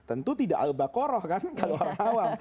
tentu tidak al baqarah kan kalau orang awam